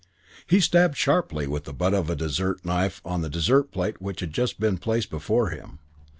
He stabbed sharply with the butt of a dessert knife on the dessert plate which had just been placed before him.